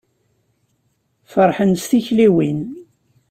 Ferḥen s tikliwin.